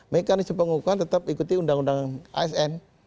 mekanisme pengukuhan tetap ikuti undang undang asn